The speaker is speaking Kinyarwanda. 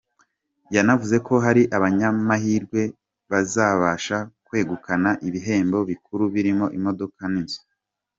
Yanavuze ko hari abanyamahirwe bazabasha kwegukana ibihembo bikuru birimo imodoka n’inzu.